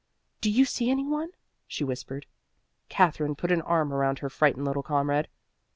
"Do you see any one?" she whispered. Katherine put an arm around her frightened little comrade.